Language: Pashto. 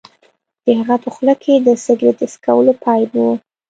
د هغه په خوله کې د سګرټ څکولو پایپ و